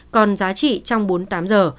còn giá trị trong bốn mươi tám giờ